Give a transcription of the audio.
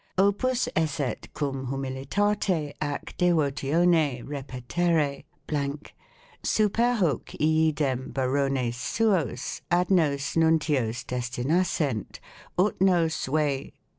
opus esset cum humilitate ac devotione repetere l ... super hoc iidem Barones suos ad nos nuntios destinassent ; 2 et nos Ue